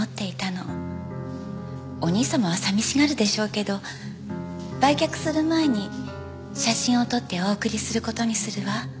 お兄様は寂しがるでしょうけど売却する前に写真を撮ってお送りする事にするわ。